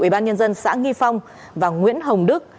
ubnd xã nghi phong và nguyễn hồng đức